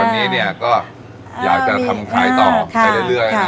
วันนี้เนี่ยก็อยากจะทำขายต่อไปเรื่อย